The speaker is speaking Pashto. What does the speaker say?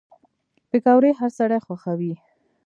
پکورې هر سړی خوښوي